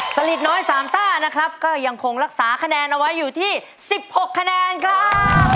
สลิดน้อยสามซ่านะครับก็ยังคงรักษาคะแนนเอาไว้อยู่ที่๑๖คะแนนครับ